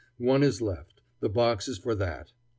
One is left; the box is for that.